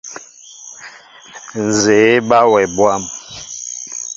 Nzѐe eba wɛ bwȃm.